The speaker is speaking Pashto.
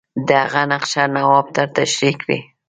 د هغه نقشه نواب ته تشریح کړي.